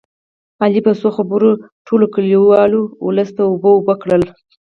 علي په څو خبرو ټول کلیوال اولس ته اوبه اوبه کړل